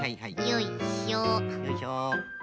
よいしょ。